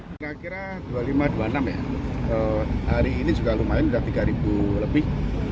kira kira dua puluh lima dua puluh enam ya hari ini juga lumayan sudah tiga lebih